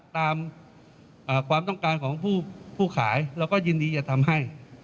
ตามความต้องการของผู้ขายเราก็ยินดีจะทำให้